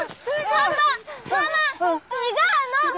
パパママ違うの！